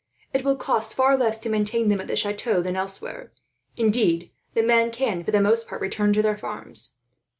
It will cost far less to maintain them at the chateau, than elsewhere; indeed the men can, for the most part, return to their farms.